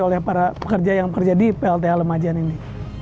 untuk para pekerja yang bekerja di plta alamajan ini